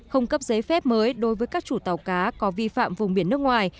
không cấp giấy phép mới đối với các chủ tàu cá có vi phạm vùng biển nước ngoài